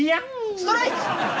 ストライク！